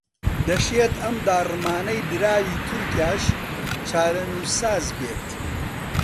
دەشێت ئەم داڕمانەی دراوی تورکیاش چارەنووسساز بێت